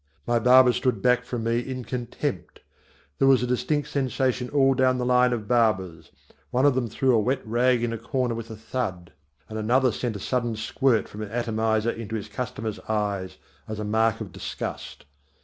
My barber stood back from me in contempt. There was a distinct sensation all down the line of barbers. One of them threw a wet rag in a corner with a thud, and another sent a sudden squirt from an atomizer into his customer's eyes as a mark of disgust.